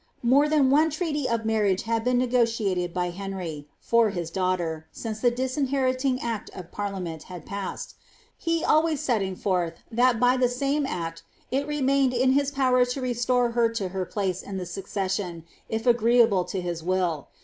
More than one treaty of marriage had been negotiated by Henry, for hia clan ghler, since the disinheriting act of parliament had passed ^ he always setting forth, that by the same act, it remained in hia power to restore her to her place in the succession, if agreeable to his will.